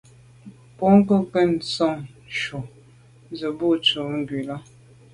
Bônke’ nke nson ju ze bo tù’ ngù là.